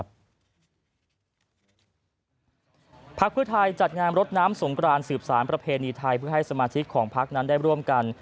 พักเพื่อไทยจัดงานรดน้ำสงกรานสืบสารประเพณีไทยเพื่อให้สมาชิกของพักนั้นได้ร่วมกัน